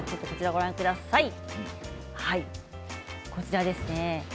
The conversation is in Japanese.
こちらですね